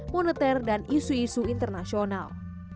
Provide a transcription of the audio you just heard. moneter dan isu isu internasional